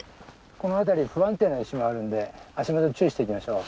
この辺り不安定な石もあるんで足元注意していきましょう。